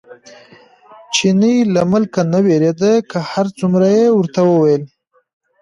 چیني له ملکه نه وېرېده، که هر څومره یې ورته وویل.